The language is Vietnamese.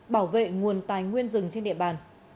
bảo vệ nguồn tài nguyên rừng trên địa bàn